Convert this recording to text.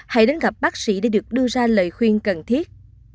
hãy đến gặp bác sĩ để được đưa ra lời khuyên cần thiết